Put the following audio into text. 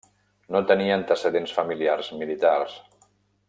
No tenia antecedents familiars militars.